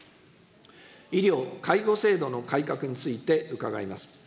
医療・介護制度の改革について伺います。